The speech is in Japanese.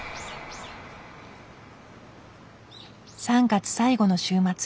３月最後の週末。